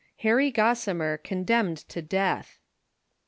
HARKY GOSSIMER CONDEMNED TO DEATH.